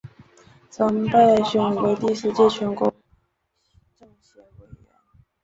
曾被选为第四届全国政协委员。